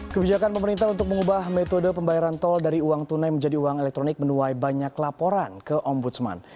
kebijakan pemerintah untuk mengubah metode pembayaran tol dari uang tunai menjadi uang elektronik menuai banyak laporan ke ombudsman